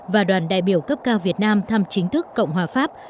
và đoàn đại biểu cấp cao việt nam thăm chính thức cộng hòa pháp